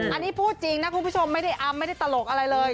อันนี้พูดจริงนะคุณผู้ชมไม่ได้อำไม่ได้ตลกอะไรเลย